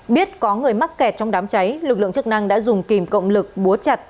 biết có người mắc kẹt trong đám cháy lực lượng chức năng đã dùng kìm cộng lực búa chặt